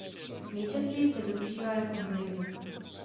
Nejčastěji se využívá jako hnojivo.